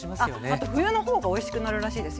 あと冬の方がおいしくなるらしいです